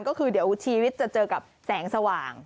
ก็คือเดี๋ยวชีวิตจะเจอกับแสงสว่าง